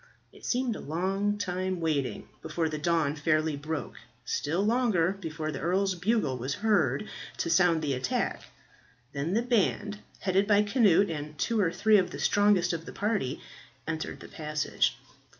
It seemed a long time waiting before the dawn fairly broke still longer before the earl's bugle was heard to sound the attack. Then the band, headed by Cnut and two or three of the strongest of the party, entered the passage.